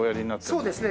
そうですね。